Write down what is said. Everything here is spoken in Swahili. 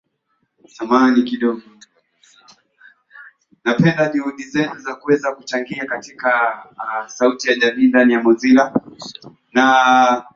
ikiwa ina ukubwa wa eneo la mraba la Kilometa